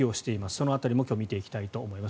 その辺りも今日、見ていきたいと思います。